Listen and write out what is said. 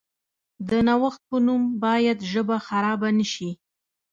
د نوښت په نوم باید ژبه خرابه نشي.